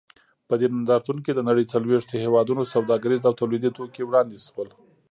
په دې نندارتون کې د نړۍ څلوېښتو هېوادونو سوداګریز او تولیدي توکي وړاندې شول.